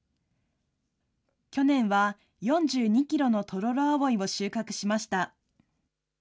去年は、４２キロのトロロアオイを収穫しました。